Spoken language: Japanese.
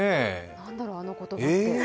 何だろう、あの言葉って。